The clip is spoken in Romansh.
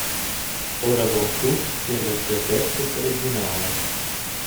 Oravontut tier las gasettas regiunalas.